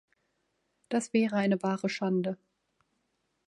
Das wäre eine wahre Schande.